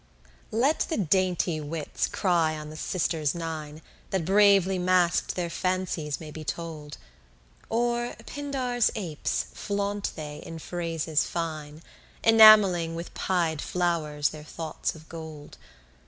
3 Let the dainty wits cry on the Sisters nine, That bravely mask'd, their fancies may be told: Or, Pindar's apes, flaunt they in phrases fine, Enam'ling with pied flowers their thoughts of gold.